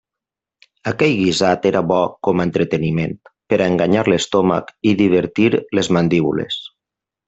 Aquell guisat era bo com a entreteniment, per a enganyar l'estómac i divertir les mandíbules.